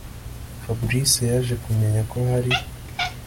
Fabric yaje kumenya ko hari